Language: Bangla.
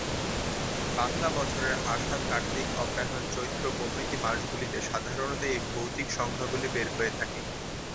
বাংলা বছরের আষাঢ়, কার্তিক, অগ্রহায়ণ, চৈত্র প্রভৃতি মাসগুলিতে সাধারণত এই ভৌতিক সংখ্যাগুলি বের হয়ে থাকে।